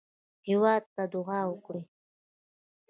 هېواد ته دعا وکړئ